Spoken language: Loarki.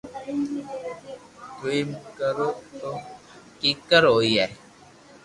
تو ايم ڪري تو ڪيڪر ھوئي